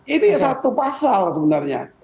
ini satu pasal sebenarnya